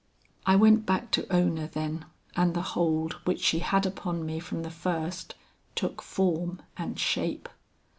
"I went back to Ona, then, and the hold which she had upon me from the first, took form and shape.